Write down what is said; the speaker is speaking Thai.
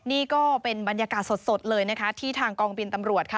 นี่ก็เป็นบรรยากาศสดเลยนะคะที่ทางกองบินตำรวจค่ะ